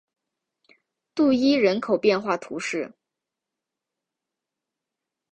杜伊人口变化图示